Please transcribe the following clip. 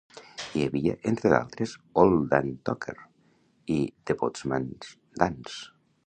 HI havia, entre altres, "Old Dan Tucker" i "De Boatman's Dance".